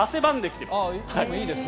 いいですね。